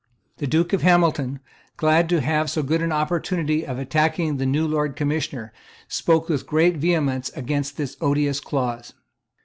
The Duke of Hamilton, glad to have so good an Opportunity of attacking the new Lord Commissioner, spoke with great vehemence against this odious clause.